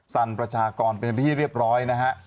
สันประชากรเป็นที่เรียบร้อยนะฮะ